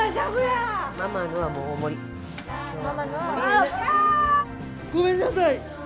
あ！ごめんなさい！